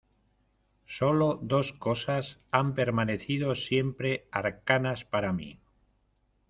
sólo dos cosas han permanecido siempre arcanas para mí: